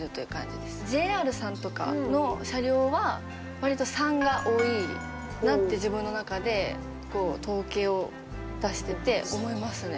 ＪＲさんとかの車両は割と３が多いなって自分の中で統計を出してて思いますね。